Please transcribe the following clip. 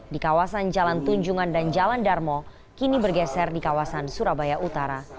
di kawasan jalan tunjungan dan jalan darmo kini bergeser di kawasan surabaya utara